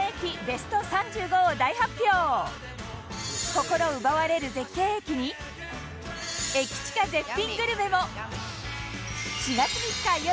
心奪われる絶景駅に駅チカ絶品グルメも